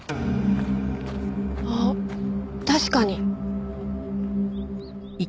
あっ確かに。